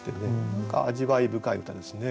何か味わい深い歌ですね